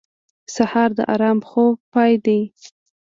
سهار د ارام خوب پای دی.